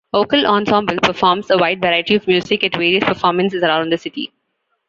Vocal Ensemble performs a wide variety of music at various performances around the city.